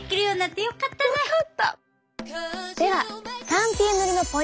では３Ｔ塗りのポイント。